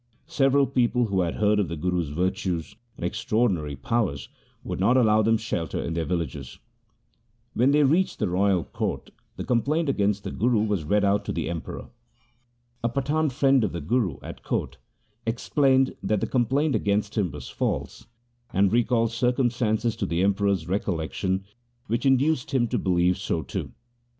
Several people who had heard of the Guru's virtues and extraordinary powers, would not allow them shelter in their villages. When they reached the royal court, the complaint against the Guru was read out to the Emperor. A Pathan friend of the Guru at court explained that 104 THE SIKH RELIGION the complaint against him was false, and recalled circumstances to the Emperor's recollection which induced him to believe so too.